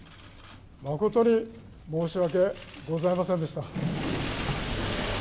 誠に申し訳ございませんでした。